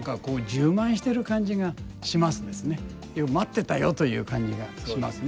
「よっ待ってたよ」という感じがしますね。